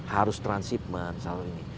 harus transhipment saling ini